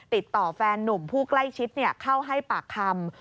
ติดต่อแฟนนุ่มผู้ใกล้ชิดเข้าให้ปากคำ